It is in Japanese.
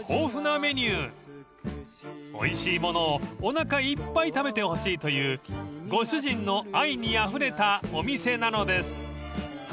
［おいしいものをおなかいっぱい食べてほしいというご主人の愛にあふれたお店なのです］